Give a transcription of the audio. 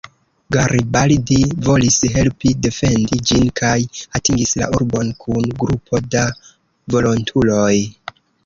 Garibaldi volis helpi defendi ĝin kaj atingis la urbon kun grupo da volontuloj.